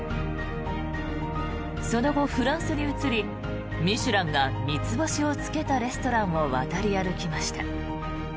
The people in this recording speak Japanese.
その後、フランスに移りミシュランが３つ星をつけたレストランを渡り歩きました。